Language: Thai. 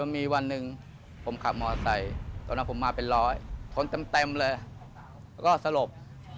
มีวันหนึ่งผมขับมอไซค์ตอนนั้นผมมาเป็นร้อยชนเต็มเลยแล้วก็สลบ